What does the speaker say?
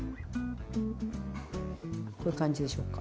こういう感じでしょうか。